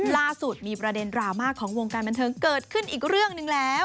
ล่าสุดมีประเด็นดราม่าของวงการบันเทิงเกิดขึ้นอีกเรื่องหนึ่งแล้ว